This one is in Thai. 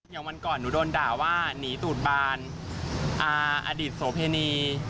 อย่างวันก่อนหนูโดนด่าว่าหนีตูดบานอดีตโสเพณี